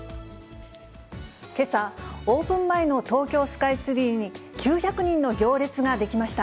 けさ、オープン前の東京スカイツリーに、９００人の行列が出来ました。